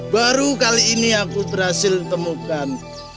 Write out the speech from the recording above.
baru kali ini aku berhasil temukan